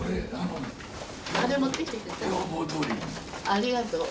ありがとう。